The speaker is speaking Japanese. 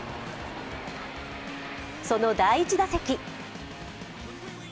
その第１打席。